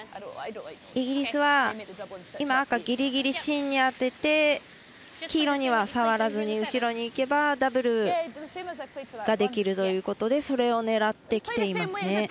イギリスは今、赤ギリギリ芯に当てて黄色には触らずに後ろにいけばダブルができるということでそれを狙ってきていますね。